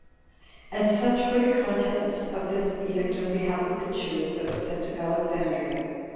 3. And such were the contents of this edict on behalf of the Jews that was sent to Alexandria.